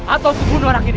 atau sudah bunuh anak ini